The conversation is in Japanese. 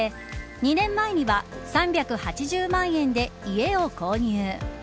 ２年前には、３８０万円で家を購入。